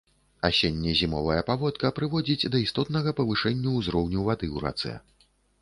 Асенне-зімовая паводка прыводзіць да істотнага павышэння ўзроўню вады ў рацэ.